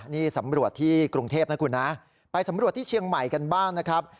นี่สำรวจที่กรุงเทพนะคุณนะไปสำรวจที่เชียงใหม่กันบ้างนะครับ